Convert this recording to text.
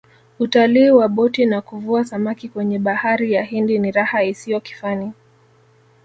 utalii wa boti na kuvua samaki kwenye bahari ya hindi ni raha isiyo kifani